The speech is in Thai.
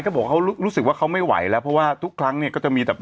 เขาบอกเขารู้สึกว่าเขาไม่ไหวแล้วเพราะว่าทุกครั้งเนี่ยก็จะมีแต่